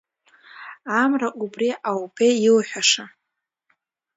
Амра убри аупеи иуҳәаша!